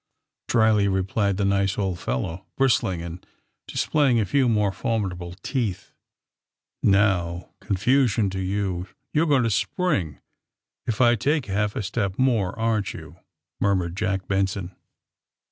dryly replied the nice old fellow, bristling and displaying a few more formidable teeth. ^^Now, confusion to you! You're going to spring if I take half a step more, aren't you?" murmured Jack Benson.